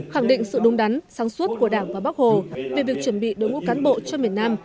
khẳng định sự đúng đắn sáng suốt của đảng và bắc hồ về việc chuẩn bị đối ngũ cán bộ cho miền nam